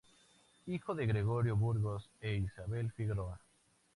Hijo de Gregorio Burgos e Isabel Figueroa.